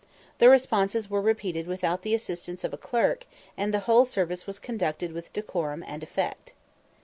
The responses were repeated without the assistance of a clerk, and the whole service was conducted with decorum and effect.